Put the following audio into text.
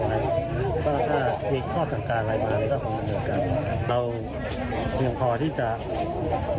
ก็ถ้ามีข้อสังการอะไรมาแล้วก็ต้องเตรียมอะไร